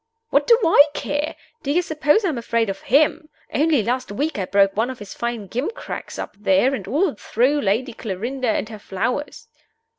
"What do I care? Do you suppose I'm afraid of him? Only last week I broke one of his fine gimcracks up there, and all through Lady Clarinda and her flowers!"